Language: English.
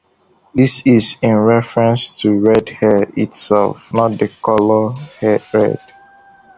This is in reference to red hair itself, not the color red.